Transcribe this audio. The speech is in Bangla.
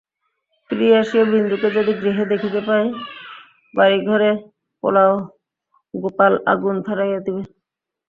ফিরিয়া আসিয়া বিন্দুকে যদি গৃহে দেখিতে পায় বাড়িঘরে গোপাল আগুন ধরাইয়া দিবে।